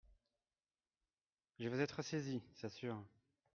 Je vais être saisie, c'est sûr.